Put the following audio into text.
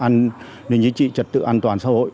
an ninh chính trị trật tự an toàn xã hội